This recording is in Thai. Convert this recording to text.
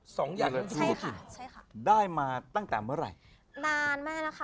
สองอย่างธุรกิจใช่ค่ะได้มาตั้งแต่เมื่อไหร่นานมากแล้วค่ะ